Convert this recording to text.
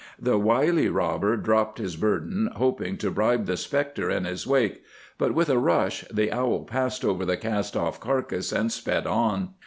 The wily robber dropped his burden, hoping to bribe the spectre in his wake. But with a rush the owl passed over the cast off carcass, and sped on.